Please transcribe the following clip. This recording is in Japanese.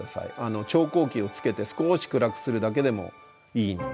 調光器をつけて少し暗くするだけでもいいので。